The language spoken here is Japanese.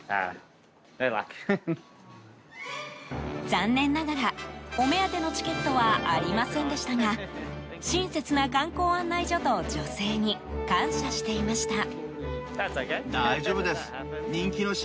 残念ながらお目当てのチケットはありませんでしたが親切な観光案内所と女性に感謝していました。